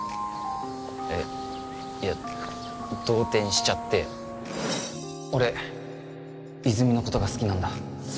えっいや動転しちゃって俺泉のことが好きなんだ